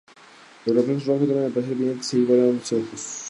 Los reflejos rojos deben aparecer brillantes e iguales en ambos ojos.